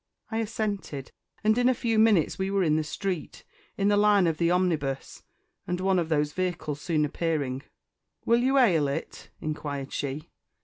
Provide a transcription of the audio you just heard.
I assented, and in a few minutes we were in the street, in the line of the omnibus, and one of those vehicles soon appearing "Will you 'ail it?" inquired she.